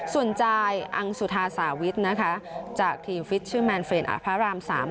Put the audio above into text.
ส่วนจายอังสุธาสาวิทนะคะจากทีมฟิตชื่อแมนเฟนพระราม๓